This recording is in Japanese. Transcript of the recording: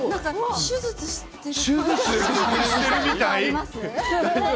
手術してるみたい？